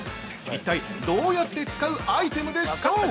一体、どうやって使うアイテムでしょう？